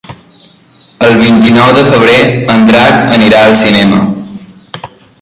El vint-i-nou de febrer en Drac anirà al cinema.